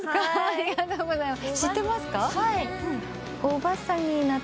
ありがとうございます。